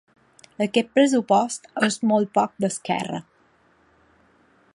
Aquest pressupost és molt poc d’Esquerra.